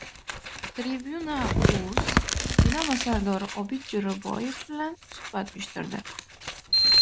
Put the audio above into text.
Tribuna.uz «Dinamo» sardori Obid Jo‘raboyev bilan suhbat uyushtirdi.